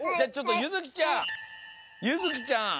ゆづきちゃん